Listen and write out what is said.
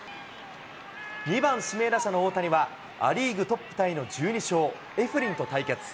２番指名打者の大谷は、ア・リーグトップタイの１２勝、エフリンと対決。